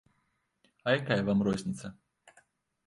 А якая вам розніца?